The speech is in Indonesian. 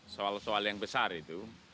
soal soal yang besar itu